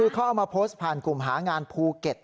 ก็มาโพสต์ผ่านกลุ่มหางานภูเก็ต